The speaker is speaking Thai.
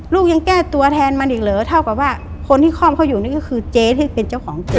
ลูกยังแก้ตัวแทนมันอีกเหรอเท่ากับว่าคนที่คล่อมเขาอยู่นี่ก็คือเจ๊ที่เป็นเจ้าของเจ๊